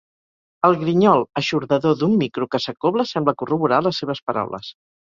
El grinyol eixordador d'un micro que s'acobla sembla corroborar les seves paraules.